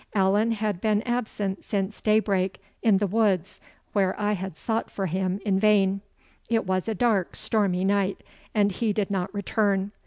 Allan had been absent since day break in the woods, where I had sought for him in vain; it was a dark stormy night, and he did not return.